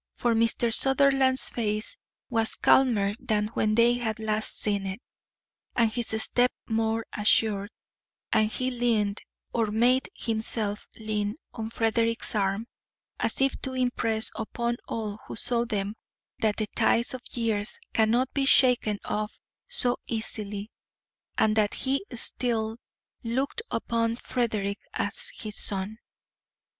For Mr. Sutherland's face was calmer than when they had last seen it, and his step more assured, and he leaned, or made himself lean, on Frederick's arm, as if to impress upon all who saw them that the ties of years cannot be shaken off so easily, and that he still looked upon Frederick as his son.